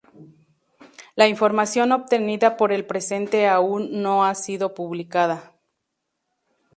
La información obtenida por el presente aún no ha sido publicada.